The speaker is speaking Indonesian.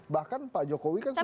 bahkan pak jokowi kan sudah